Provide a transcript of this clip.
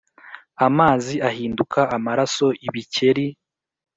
Amazi ahinduka amaraso ibikeri